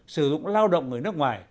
sử dụng lao động ở nước ngoài